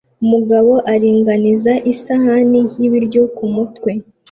Umugabo aringaniza isahani y'ibiryo kumutwe